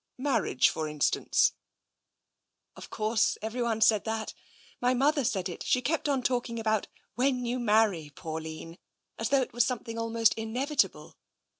" Marriage, for in stance " "Of course, everyone said that. My mother said it — she kept on talking about * When you marry, Pauline,' as though it was something almost inevitable.